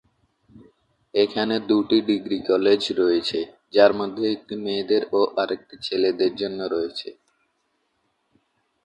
এখানে দুটি degree college রয়েছে, যার মধ্যে একটি মেয়েদের ও আরেকটি ছেলেদের জন্য রয়েছে।